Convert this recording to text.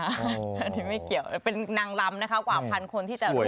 อันนี้ไม่เกี่ยวเป็นนางลำนะครับกว่าพันคนที่จะร่วมงาน